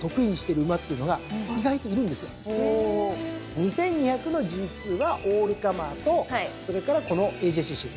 ２，２００のＧⅡはオールカマーとそれからこのＡＪＣＣ。